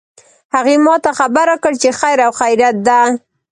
هغې ما ته خبر راکړ چې خیر او خیریت ده